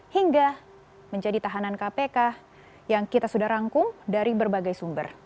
hingga menjadi tahanan kpk yang kita sudah rangkum dari berbagai sumber